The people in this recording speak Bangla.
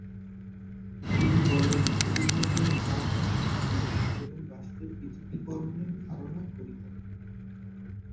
তিনি বলেন, এই ধরনের প্রার্থনা গির্জা এবং রাষ্ট্রের পৃথকীকরণের ধারণার পরিপন্থী।